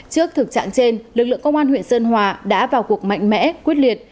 trước thực trạng trên lực lượng công an huyện sơn hòa đã vào cuộc mạnh mẽ quyết liệt